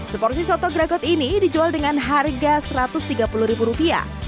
seporsi soto geragot ini dijual dengan harga rp seratus